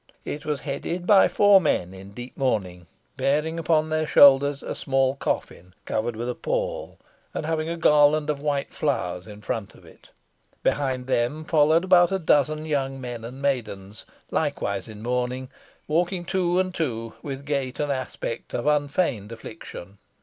It was headed by four men in deep mourning, bearing upon their shoulders a small coffin, covered with a pall, and having a garland of white flowers in front of it. Behind them followed about a dozen young men and maidens, likewise in mourning, walking two and two, with gait and aspect of unfeigned affliction.